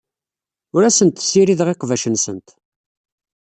Ur asent-ssirideɣ iqbac-nsent.